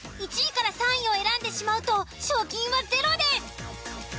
１位３位を選んでしまうと賞金はゼロです。